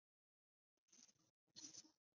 两人有着两个女儿。